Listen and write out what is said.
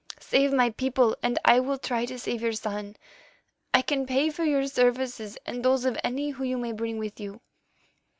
Save my people, and I will try to save your son. I can pay for your services and those of any whom you may bring with you.